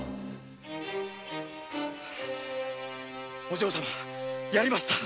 お花様やりました！